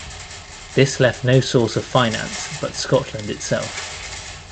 This left no source of finance but Scotland itself.